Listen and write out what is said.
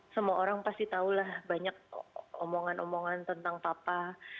semua orang pasti tahu lah banyak omongan omongan tentang papa